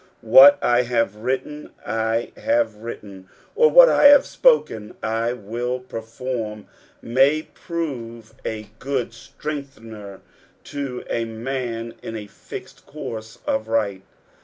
" What 1 have written I hsve written," or what I have spoken I will perform, may prove a good rttengtheoer to a man in a fixed course of right.